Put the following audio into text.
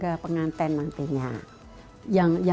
itu adalah kitungan doa doa untuk kehidupan rumah tangga